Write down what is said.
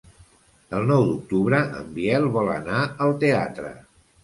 El nou d'octubre en Biel vol anar al teatre.